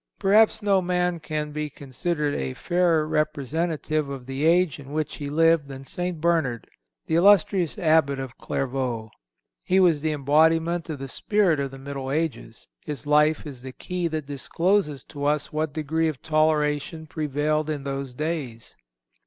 Perhaps no man can be considered a fairer representative of the age in which he lived than St. Bernard, the illustrious Abbot of Clairvaux. He was the embodiment of the spirit of the Middle Ages. His life is the key that discloses to us what degree of toleration prevailed in those days.